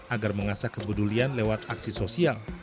agar mengasah kepedulian lewat aksi sosial